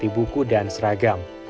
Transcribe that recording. seperti buku dan seragam